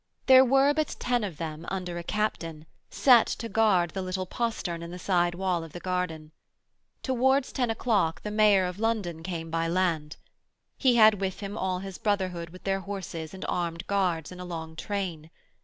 There were but ten of them, under a captain, set to guard the little postern in the side wall of the garden. Towards ten o'clock the Mayor of London came by land. He had with him all his brotherhood with their horses and armed guards in a long train.